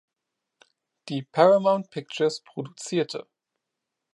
Die Paramount Pictures produzierte.